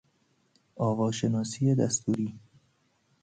آواشناسی دستوری